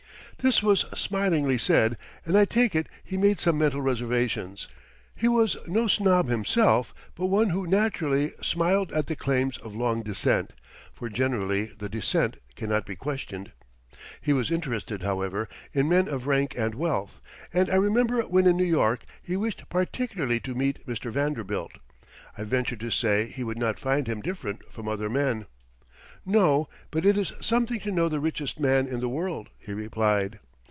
This was smilingly said, and I take it he made some mental reservations. He was no snob himself, but one who naturally "smiled at the claims of long descent," for generally the "descent" cannot be questioned. He was interested, however, in men of rank and wealth, and I remember when in New York he wished particularly to meet Mr. Vanderbilt. I ventured to say he would not find him different from other men. "No, but it is something to know the richest man in the world," he replied.